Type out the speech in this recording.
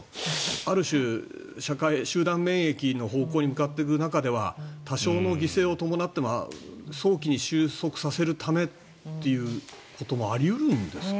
ある種、集団免疫の方向に向かっていく中では多少の犠牲を伴っても早期に収束させるためっていうこともあり得るんですかね。